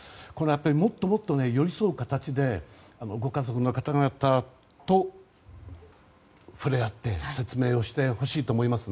もっともっと寄り添う形でご家族の方々と触れ合って説明をしてほしいです。